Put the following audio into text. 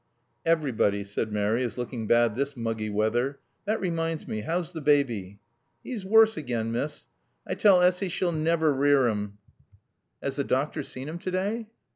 "Everybody," said Mary, "is looking bad this muggy weather. That reminds me, how's the baby?" "'E's woorse again, Miss. I tall Assy she'll navver rear 'im." "Has the doctor seen him to day?"